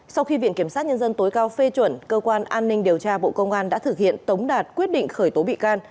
sau khi viện kiểm sát nhân dân tối cao phê chuẩn cơ quan an ninh điều tra bộ công an đã thực hiện tống đạt quyết định khởi tố bị can